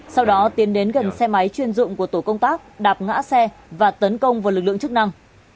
sau đó tiến đến gần xe máy chuyên dụng của tổ công tác đạp ngã xe và tấn công vào lực lượng chức năng